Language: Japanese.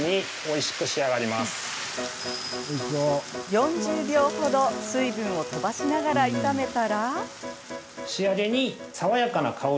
４０秒程水分を飛ばしながら炒めたら。